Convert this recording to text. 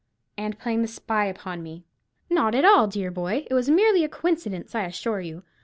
"And playing the spy upon me." "Not at all, dear boy. It was merely a coincidence, I assure you.